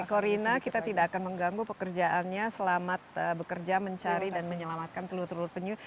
korina kita tidak akan mengganggu pekerjaannya selamat bekerja mencari dan menyelamatkan telur telur penyu